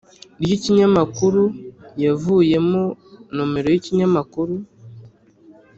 ry’ikinyamakuru yavuyemo, nomero y’ikinyamakuru,